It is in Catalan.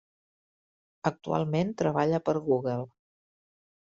Actualment treballa per Google.